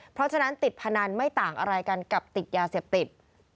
เพราะฉะนั้นติดพนันไม่ต่างอะไรกันกับติดยาเสพติด